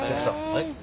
はい。